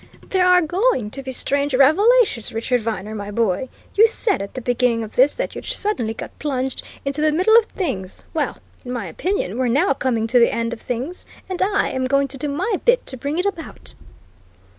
"There are going to be strange revelations, Richard Viner, my boy! You said at the beginning of this that you'd suddenly got plunged into the middle of things well, in my opinion, we're now coming to the end of things, and I'm going to do my bit to bring it about."